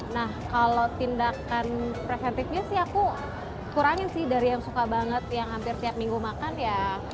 nah kalau tindakan preventifnya sih aku kurangin sih dari yang suka banget yang hampir setiap minggu makan ya